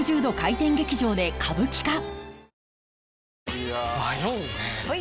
いや迷うねはい！